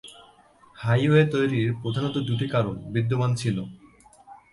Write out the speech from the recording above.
Highway তৈরির প্রধাণত দুটি কারণ বিদ্যমান ছিল।